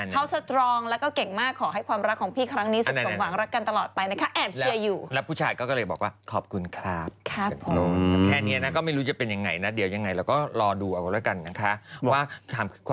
เขาสตรองแล้วก็เก่งมากขอให้ความรักของพี่ครั้งนี้สุขสมหวังรักกันตลอดไปนะคะ